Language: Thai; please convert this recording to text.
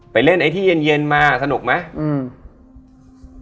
ไปเล่นไอ้ที่เย็นมาสนุกไหม